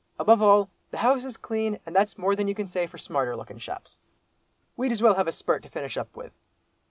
Above all, the house is clean, and that's more than you can say for smarter lookin' shops. We'd as well have a spurt to finish up with."